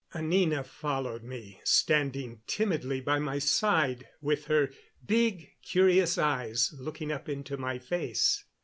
Anina followed me, standing timidly by my side, with her big, curious eyes looking up into my face.